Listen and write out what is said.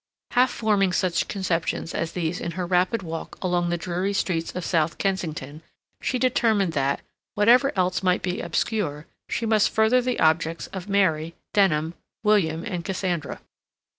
Half forming such conceptions as these in her rapid walk along the dreary streets of South Kensington, she determined that, whatever else might be obscure, she must further the objects of Mary, Denham, William, and Cassandra.